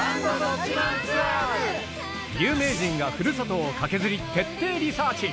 有名人が故郷を駆けずり徹底リサーチ。